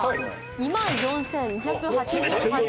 ２万４２８８円。